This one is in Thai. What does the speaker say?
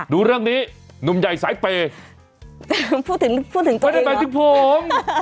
ดูเรื่องนี้หนุ่มใหญ่สายเปย์พูดถึงพูดถึงกันไม่ได้หมายถึงผม